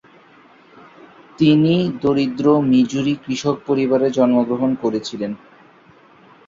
তিনি দরিদ্র মিজুরি কৃষক পরিবারে জন্মগ্রহণ করেছিলেন।